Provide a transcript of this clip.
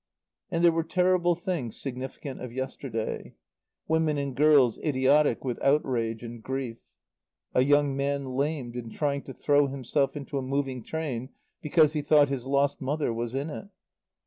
And there were terrible things significant of yesterday. Women and girls idiotic with outrage and grief. A young man lamed in trying to throw himself into a moving train because he thought his lost mother was in it.